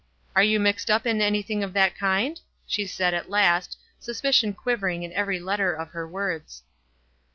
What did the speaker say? "Are you mixed up in anything of that kind ?" she said, at last, suspicion quivering in every letter of her words.